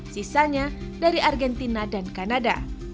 sisanya dari argentina dan kanada